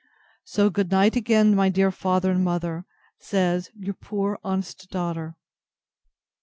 So good night again, my dear father and mother, says Your poor honest DAUGHTER.